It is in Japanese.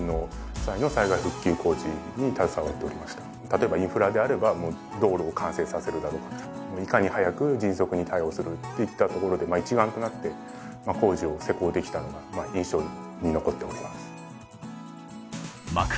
例えばインフラであれば道路を完成させるだとかいかに早く迅速に対応するっていったところでまあ一丸となって工事を施工できたのが印象に残っております